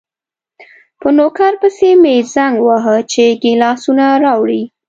په نوکر پسې مې زنګ وواهه چې ګیلاسونه راوړي.